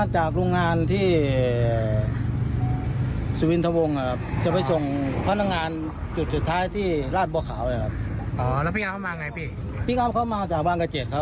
ชาวบ้านบอกว่า